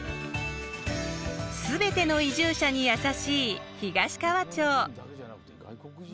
全ての移住者に優しい東川町。